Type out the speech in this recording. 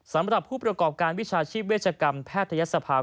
สำหรับผู้ประกอบการวิชาชีพเวชกรรมแพทยศภา